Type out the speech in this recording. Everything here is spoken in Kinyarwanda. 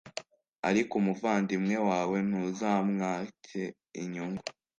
ariko umuvandimwe wawe ntuzamwake inyungu,